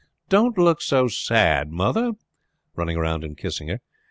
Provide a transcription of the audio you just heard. Don't look sad, mother," he said, running round and kissing her.